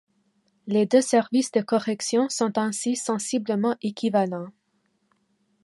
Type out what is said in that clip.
Les deux services de corrections sont ainsi sensiblement équivalents.